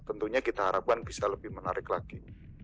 tentunya kita harapkan bisa lebih menarik lagi